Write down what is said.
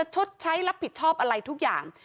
ชดใช้รับผิดชอบอะไรทุกอย่าง